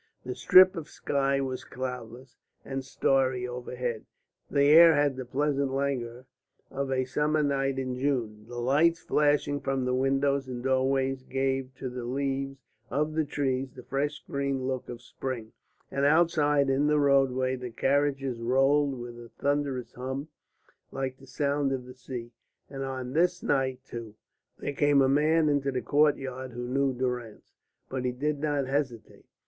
The strip of sky was cloudless and starry overhead; the air had the pleasant languor of a summer night in June; the lights flashing from the windows and doorways gave to the leaves of the trees the fresh green look of spring; and outside in the roadway the carriages rolled with a thunderous hum like the sound of the sea. And on this night, too, there came a man into the courtyard who knew Durrance. But he did not hesitate.